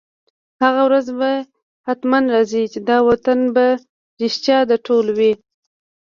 هغه ورځ به حتماً راځي، چي دا وطن به رشتیا د ټولو وي